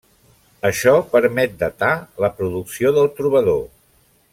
Això permet datar la producció del trobador.